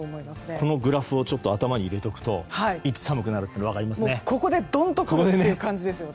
このグラフを頭に入れておくといつ、寒くなるか分かりますね。